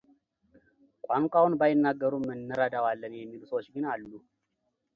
ቋንቋውን ባይናገሩም እንረዳዋለን የሚሉ ሰዎች ግን አሉ።